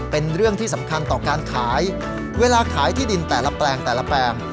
เป็นเรื่องที่สำคัญต่อการขายเวลาขายที่ดินแต่ละแปลงแต่ละแปลง